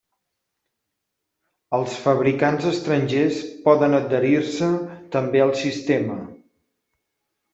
Els fabricants estrangers poden adherir-se també al sistema.